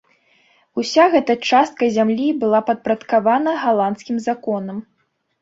Уся гэта частка зямлі была падпарадкавана галандскім законам.